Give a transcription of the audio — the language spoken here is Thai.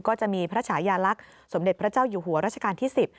ก็จะมีพระฉายาลักษณ์สมเด็จพระเจ้าอยู่หัวราชการที่๑๐